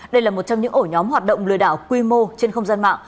đây là một trong những ổ nhóm hoạt động lừa đảo quy mô trên không gian mạng